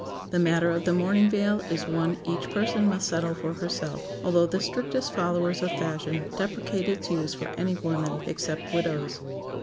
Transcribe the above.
The matter of the mourning veil is one each person must settle for herself, although the strictest followers of fashion deprecate its use for any women except widows.